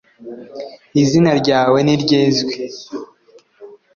izina ryawe niryezwe